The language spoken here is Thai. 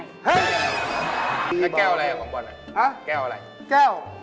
กลัวจะครับแก้วพิจัยด้วยลง